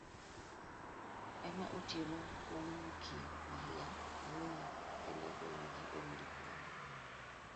Ema Otieno owuokie, mahia wuonya alegowigi owil piyo nade?